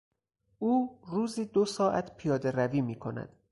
او روزی دو ساعت پیادهروی می کند.